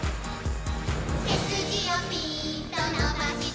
「せすじをピーンとのばして」